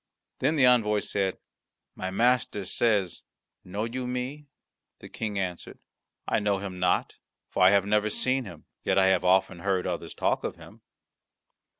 Then the envoy said, "My master says, 'Know you me?'" The King answered, "I know him not, for I have never seen him; yet I have often heard others talk of him."